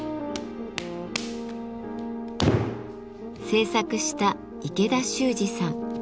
制作した池田脩二さん。